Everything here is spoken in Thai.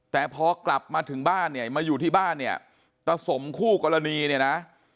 แต่พอกลับมาถึงบ้านเนี่ยมาอยู่ที่บ้านเนี่ยตะสมคู่กรณีเนี่ยนะ